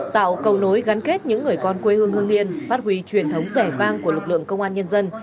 tạo cầu nối gắn kết những người con quê hương hương yên phát huy truyền thống vẻ vang của lực lượng công an nhân dân